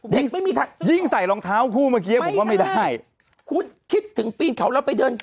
ยิ่งไม่มีทางยิ่งใส่รองเท้าคู่เมื่อกี้ผมว่าไม่ได้คุณคิดถึงปีนเขาแล้วไปเดิน